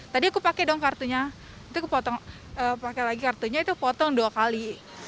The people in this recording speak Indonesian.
tadi aku pakai dong kartunya itu aku pakai lagi kartunya itu potong dua kali